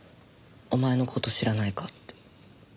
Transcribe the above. お前の事知らないかって。